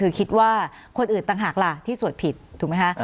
คือคิดว่าคนอื่นต่างหากล่ะที่สวดผิดถูกไหมคะ